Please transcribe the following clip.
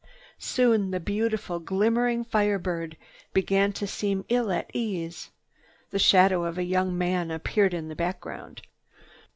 Soon the beautiful, glimmering Fire Bird began to seem ill at ease. The shadow of a young man appeared in the background.